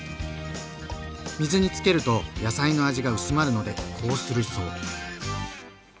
水につけると野菜の味が薄まるのでこうするそう。